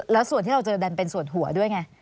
แล้วส่วนที่เราเจอดันเป็นส่วนหัวด้วยไง